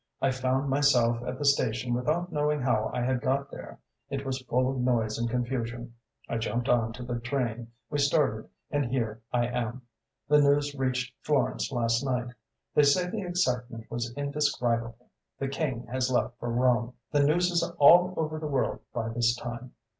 I found myself at the station without knowing how I had got there. It was full of noise and confusion. I jumped on to the train, we started, and here I am. The news reached Florence last night; they say the excitement was indescribable; the King has left for Rome; the news is all over the world by this time!"